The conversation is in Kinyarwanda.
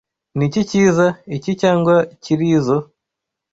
Niki cyiza, iki cyangwa kirizoa?